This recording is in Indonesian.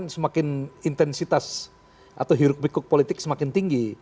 semakin intensitas atau hirup hirup politik semakin tinggi